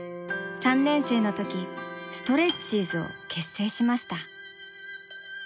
３年生の時「ストレッチーズ」を結成しました。